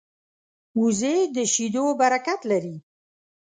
وزې د شیدو برکت لري